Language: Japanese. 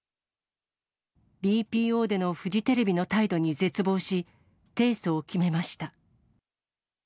ＢＰＯでのフジテレビの態度に絶望し、提訴を決めました。